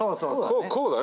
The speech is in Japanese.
こうだね？